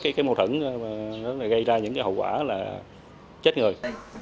cái mâu thuẫn gây ra những cái hậu quả là chết người